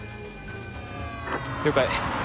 了解。